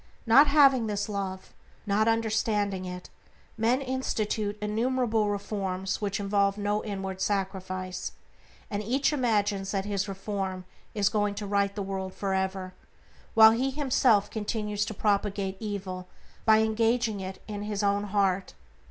Not having this Love, not understanding it, men institute innumerable reforms which involve no inward sacrifice, and each imagines that his reform is going to right the world for ever, while he himself continues to propagate evil by engaging it in his own heart.